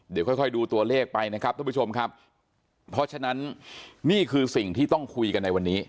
เดี๋ยวค่อยค่อยดูตัวเลขไปนะครับท่านผู้ชมครับเพราะฉะนั้นนี่คือสิ่งที่ต้องคุยกันในวันนี้